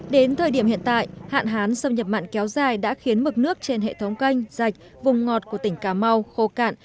đến thời điểm hiện tại hạn hán xâm nhập mặn kéo dài đã khiến mực nước trên hệ thống canh dạch vùng ngọt của tỉnh cà mau khô cạn